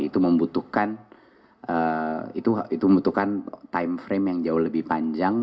itu membutuhkan time frame yang jauh lebih panjang